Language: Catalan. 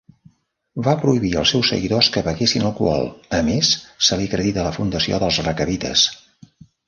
Va prohibir als seus seguidors que beguessin alcohol. A més, se li acredita la fundació dels recabites.